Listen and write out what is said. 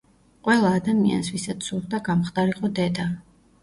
ყველა ადამიანს ვისაც სურდა გამხდარიყო დედა.